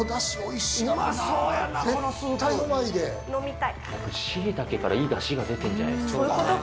しいたけからいいだしが出てるんじゃないですか。